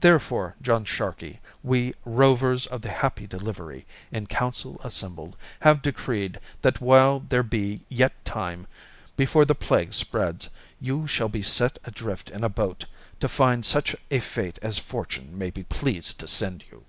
Therefore, John Sharkey, we Rovers of The Happy Delivery, in council assembled, have decreed that while there be yet time, before the plague spreads, you shall be set adrift in a boat to find such a fate as Fortune may be pleased to send you."